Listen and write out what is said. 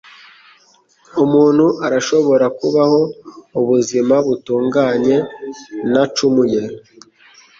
umuntu arashobora kubaho ubuzima butunganye ntacumuye.